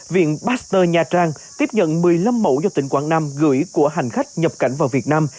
viện pasteur nha trang tiếp nhận một mươi năm mẫu do tỉnh quảng nam gửi của hành khách nhập cảnh vào việt nam